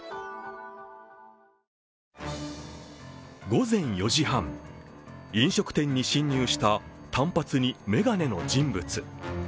午前４時半、飲食店に侵入した短髪に眼鏡の人物。